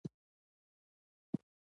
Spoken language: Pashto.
د کتاب لوستل ذهني پراختیا ته مرسته کوي.